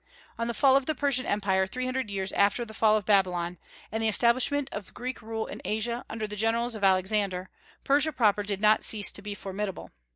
On the fall of the Persian Empire three hundred years after the fall of Babylon, and the establishment of the Greek rule in Asia under the generals of Alexander, Persia proper did not cease to be formidable.